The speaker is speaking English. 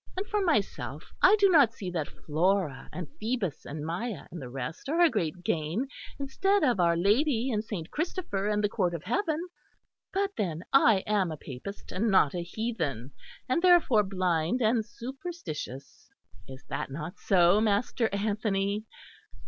And for myself, I do not see that Flora and Phoebus and Maia and the rest are a great gain, instead of Our Lady and Saint Christopher and the court of heaven. But then I am a Papist and not a heathen, and therefore blind and superstitious. Is that not so, Master Anthony?...